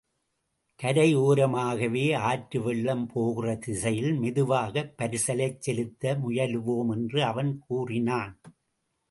கரை ஓரமாகவே ஆற்று வெள்ளம் போகிற திசையில் மெதுவாகப் பரிசலைச் செலுத்த முயலுவோம் என்று அவன் கூறினான்.